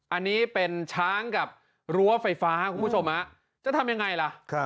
อันนี้เป็นช้างกับรั้วไฟฟ้าคุณผู้ชมจะทำยังไงล่ะ